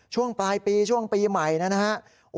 ช่วงปลายปีช่วงปีใหม่นะครับ